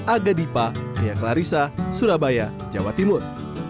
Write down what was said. aga dipa ria klarissa surabaya jawa timur